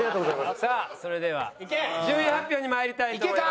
さあそれでは順位発表にまいりたいと思います。